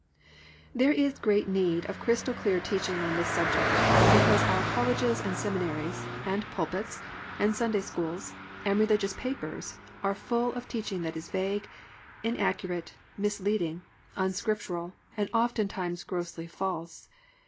There is great need of crystal clear teaching on this subject, because our colleges and seminaries and pulpits and Sunday schools and religious papers are full of teaching that is vague, inaccurate, misleading, un Scriptural, and oftentimes grossly false.